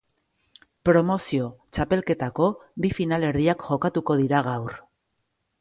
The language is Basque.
Promozio txapelketako bi finalerdiak jokatuko dira gaur.